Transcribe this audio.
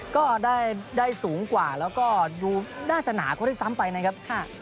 ก็ได้สูงกว่าแล้วก็ดูน่าจะหนากว่าด้วยซ้ำไปนะครับ